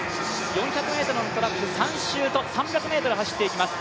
４００のトラック３周と３００ｍ走っていきます。